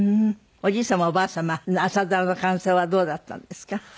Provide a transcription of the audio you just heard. おじい様おばあ様は朝ドラの感想はどうだったんですか？